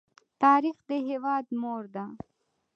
تاریخ د هېواد مور ده.